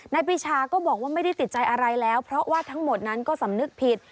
ปีชาก็บอกว่าไม่ได้ติดใจอะไรแล้วเพราะว่าทั้งหมดนั้นก็สำนึกผิด